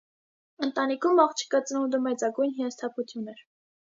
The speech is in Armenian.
Ընտանիքում աղջկա ծնունդը մեծագույն հիասթափություն էր։